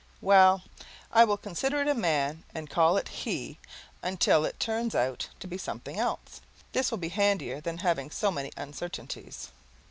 Well, I will consider it a man and call it he until it turns out to be something else. This will be handier than having so many uncertainties.